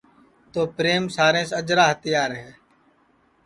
تو پریم سارے سے اجرا ہتیار ہے